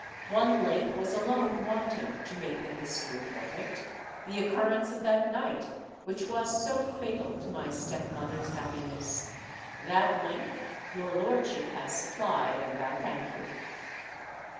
One link was alone wanting to make the history perfect—the occurrence of that night which was so fatal to my step mother's happiness. That link your lordship has supplied;—and I thank you."